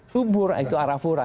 subur itu arafura